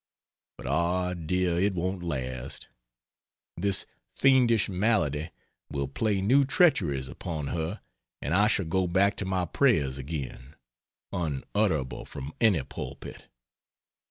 But ah, dear, it won't last; this fiendish malady will play new treacheries upon her, and I shall go back to my prayers again unutterable from any pulpit!